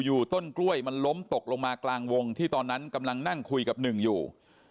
อยู่ต้นกล้วยมันล้มตกลงมากลางวงที่ตอนนั้นกำลังนั่งคุยกับหนึ่งอยู่